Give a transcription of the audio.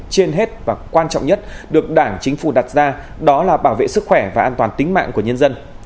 trên hết và quan trọng nhất được đảng chính phủ đặt ra đó là bảo vệ sức khỏe và an toàn tính mạng của nhân dân